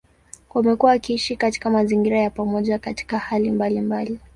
Wamekuwa wakiishi katika mazingira ya pamoja katika hali mbalimbali.